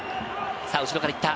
後ろから行った。